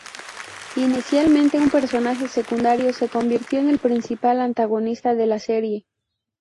Inicialmente un personaje secundario, se convirtió en el principal antagonista de la serie.